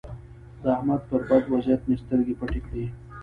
د احمد پر بد وضيعت مې سترګې پټې کړې.